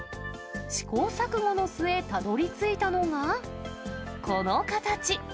試行錯誤の末、たどりついたのがこの形。